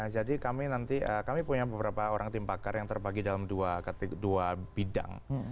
jadi kami nanti kami punya beberapa orang tim bakar yang terbagi dalam dua bidang